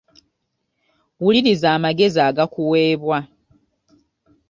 Wuliriza amagezi agakuweebwa.